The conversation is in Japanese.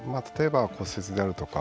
骨折であるとか。